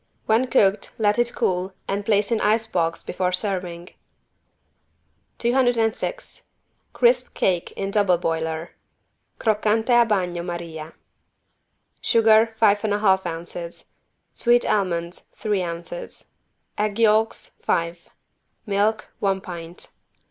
When cooked let it cool and place in ice box before serving. 206 CRISP CAKE IN DOUBLE BOILER (Croccante a bagno maria) Sugar, five and a half ounces. Sweet almonds, three ounces. Egg yolks, five. Milk, one pint.